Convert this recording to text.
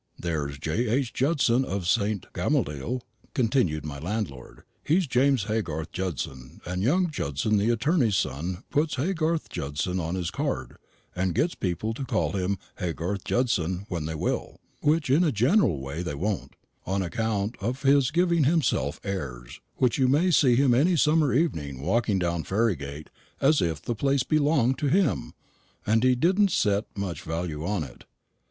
"There's J.H. Judson of St. Gamaliel," continued my landlord "he's James Haygarth Judson; and young Judson the attorney's son puts 'Haygarth Judson' on his card, and gets people to call him Haygarth Judson when they will which in a general way they won't, on account of his giving himself airs, which you may see him any summer evening walking down Ferrygate as if the place belonged to him, and he didn't set much value on it.